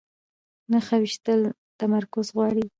نښه ویشتل تمرکز غواړي